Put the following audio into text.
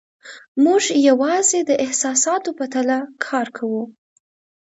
موږ یوازې د احساساتو په تله کار کوو.